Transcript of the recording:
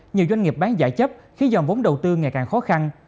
nhiều doanh nghiệp bán giải chấp khi dòng vốn đầu tư ngày càng khó khăn